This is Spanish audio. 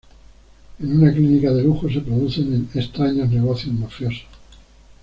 En una clínica de lujo se producen extraños negocios mafiosos.